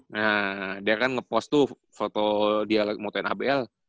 nah dia kan ngepost tuh foto dia motoin abl